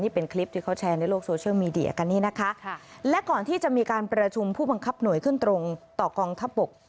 เป็นคลิปที่เขาแชร์ในโลกโซเชียลมีเดียกันนี่นะคะและก่อนที่จะมีการประชุมผู้บังคับหน่วยขึ้นตรงต่อกองทัพบก